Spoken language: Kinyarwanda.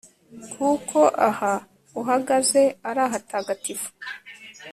kuko aha uhagaze ari ahatagatifu